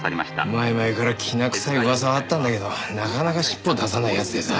前々からきな臭い噂はあったんだけどなかなか尻尾を出さない奴でさ。